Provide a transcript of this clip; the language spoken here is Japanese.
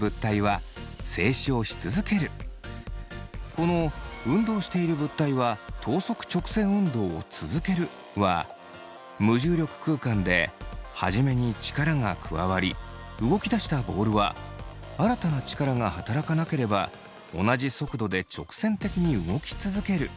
この「運動している物体は等速直線運動を続ける」は無重力空間で初めに力が加わり動き出したボールは新たな力が働かなければ同じ速度で直線的に動き続けるということ。